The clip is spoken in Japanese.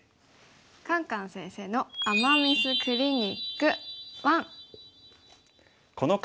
「カンカン先生の“アマ・ミス”クリニック１」。